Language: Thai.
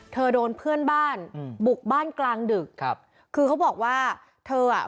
โดนเพื่อนบ้านอืมบุกบ้านกลางดึกครับคือเขาบอกว่าเธออ่ะ